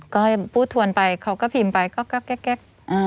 ก็ให้พูดทวนไปเขาก็พิมพ์ไปก็แก๊ก